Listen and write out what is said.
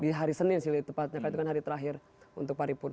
di hari senin sih tepatnya karena itu kan hari terakhir untuk pari purna